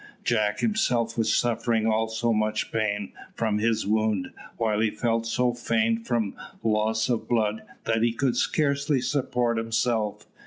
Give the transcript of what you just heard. Jack himself was suffering also much pain from his wound, while he felt so faint from loss of blood that he could scarcely support himself.